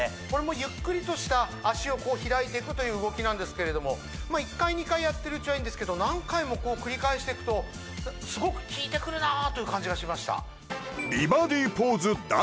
これもゆっくりとした脚を開いていくという動きなんですけれども１回２回やってるうちはいいんですけど何回もこう繰り返していくとすごくきいてくるなという感じがしました